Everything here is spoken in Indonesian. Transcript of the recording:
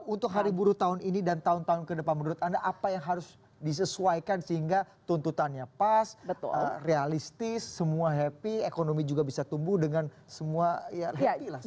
untuk hari buruh tahun ini dan tahun tahun ke depan menurut anda apa yang harus disesuaikan sehingga tuntutannya pas realistis semua happy ekonomi juga bisa tumbuh dengan semua happy lah